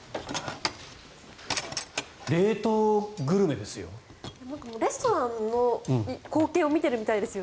冷凍グルメですよ。